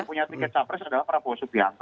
karena ketika capres adalah parpol subianto